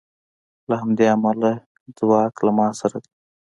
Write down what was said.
له همدې امله ځواک له ما سره دی